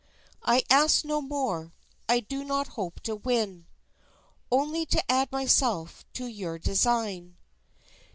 I ask no more. I do not hope to win Only to add myself to your design.